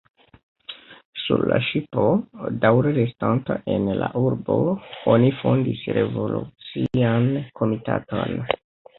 Sur la ŝipo, daŭre restanta en la urbo, oni fondis revolucian komitaton.